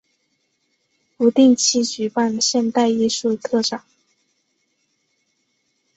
不定期举办现代艺术特展。